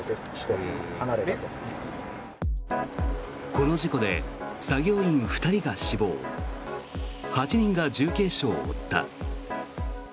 この事故で作業員２人が死亡８人が重軽傷を負った。